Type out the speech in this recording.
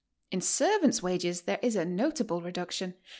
In servant'.s wages there is a notable reduction.